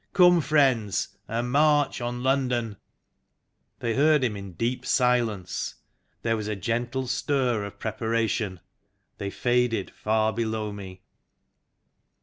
Come, friends, and march on London !" They heard him in deep silence ; there was a gentle stir of preparation ; they faded far below me.